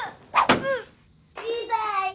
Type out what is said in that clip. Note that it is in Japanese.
うっ痛い！